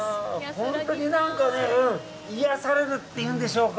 本当になんかね、癒やされるというんでしょうか。